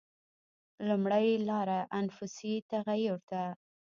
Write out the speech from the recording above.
لومړۍ لاره انفسي تغییر ده.